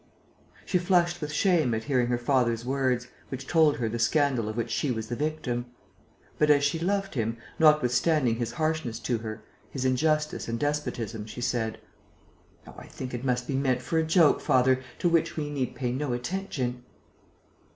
She flushed with shame at hearing her father's words, which told her the scandal of which she was the victim. But, as she loved him, notwithstanding his harshness to her, his injustice and despotism, she said: "Oh, I think it must be meant for a joke, father, to which we need pay no attention!"